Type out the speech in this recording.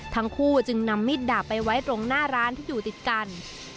ทั้งคู่จึงนำมิดดาบไปไว้ตรงหน้าร้านที่อยู่ติดกัน